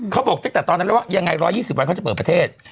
เขาบอกตั้งแต่ตอนนั้นแล้วว่ายังไง๑๒๐วันเขาจะเปิดประเทศ